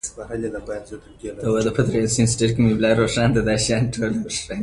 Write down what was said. د کور هر غړی باید د اوبو سپما کي ونډه واخلي.